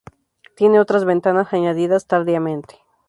Tiene otras ventanas añadidas tardíamente.